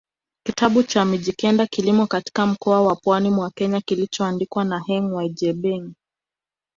kitabu cha Mijikenda kilimo katika mkoa wa pwani mwa Kenya kilichoandikwa na Henk Waaijenberg